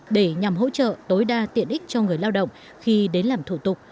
để nhằm hỗ trợ tối đa tiện ích cho người lao động khi đến làm thủ tục